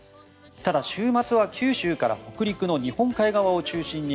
ただ、週末は九州から北陸の日本海側を中心に